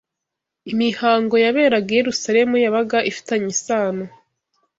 Imihango yaberaga i Yerusalemu yabaga ifitanye isano